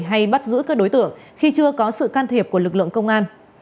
hay bắt giữ các đối tượng khi chưa có sự can thiệp của lực lượng công an